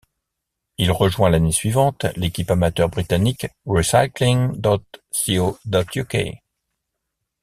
Il rejoint l'année suivante l'équipe amateur britannique Recycling.co.uk.